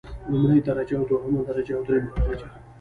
لومړۍ درجه او دوهمه درجه او دریمه درجه.